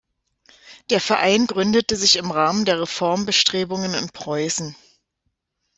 Der Verein gründete sich im Rahmen der Reformbestrebungen in Preußen.